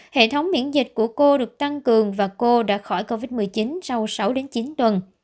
hệ thống miễn dịch của cô được tăng cường và cô đã khỏi covid một mươi chín sau sáu đến chín tuần